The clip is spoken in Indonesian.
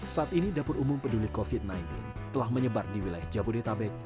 saat ini dapur umum peduli covid sembilan belas telah menyebar di wilayah jabodetabek